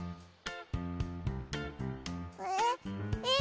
えっ？えっ？